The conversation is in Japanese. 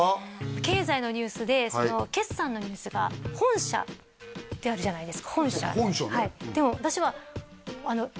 経済のニュースで決算のニュースが「本社」ってあるじゃないですか本社ね？